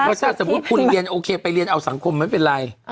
เพราะถ้าสมมุติคุณเรียนโอเคไปเรียนเอาสังคมไม่เป็นไร